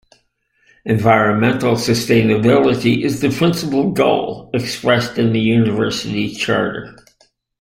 Environmental sustainability is the principal goal expressed in the university charter.